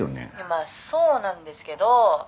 まあそうなんですけど